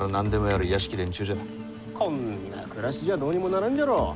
こんな暮らしじゃどうにもならんじゃろう？